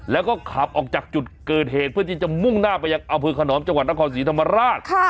แล้วก็ขับออกจากจุดเกิดเหตุเพื่อที่จะมุ่งหน้าไปอย่างอคศรีธรรมราช